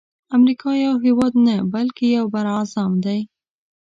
امریکا یو هیواد نه بلکی یو بر اعظم دی.